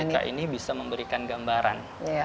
dan ini bisa memberikan gambaran